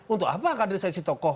untuk apa kaderisasi tokoh